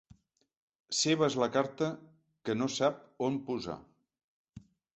Seva és la carta que no sap on posar.